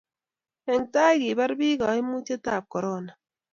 eng' tai, kibar biik kaimutietab korona